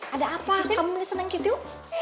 ada apa kamu senang gitu